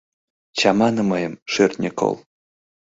«Чамане мыйым, шӧртньӧ кол